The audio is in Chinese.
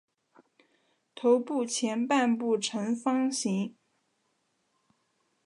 头部前半部呈方形。